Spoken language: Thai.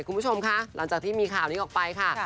คุณผู้ชมคะหลังจากที่มีข่าวนี้ออกไปค่ะ